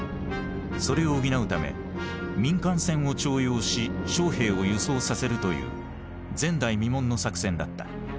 それを補うため民間船を徴用し将兵を輸送させるという前代未聞の作戦だった。